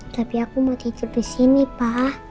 tapi aku mau tidur disini pak